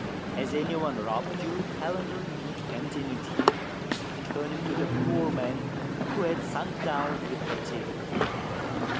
Has any one robbed you, Palander ?" continued he, turning to the poor man, who had sunk down with fatigue.